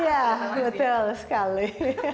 iya betul sekali